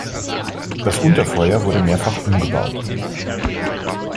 Das Unterfeuer wurde mehrfach umgebaut.